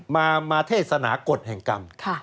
มาเทศนากฎแห่งกรรม